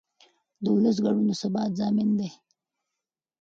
د ولس ګډون د ثبات ضامن دی